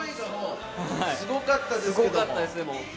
すごかったです、でも。